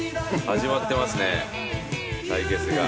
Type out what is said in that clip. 始まってますね対決が。